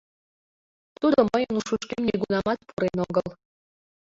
Тудо мыйын ушышкем нигунамат пурен огыл.